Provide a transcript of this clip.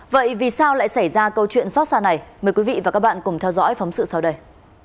vậy vì sao lại xảy ra câu chuyện xót xa này mời quý vị và các bạn cùng theo dõi phóng sự sau đây